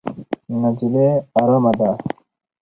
نجلۍ ارامه ده.